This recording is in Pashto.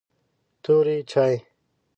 توري چای